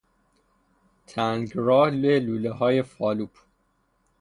تنگراه لولههای فالوپ